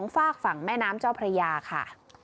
ฝากฝั่งแม่น้ำเจ้าพระยาค่ะ